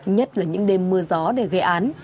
nhất là những đêm mưa gió để gây án